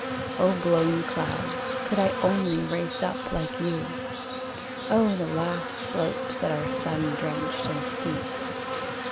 O blown clouds, could I only race up like you, Oh, the last slopes that are sun drenched and steep!